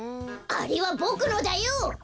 あれはボクのだよ！